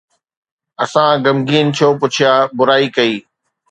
اسان غمگين ڇو پڇيا، برائي ڪئي؟